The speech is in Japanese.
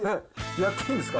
やっていいんですか？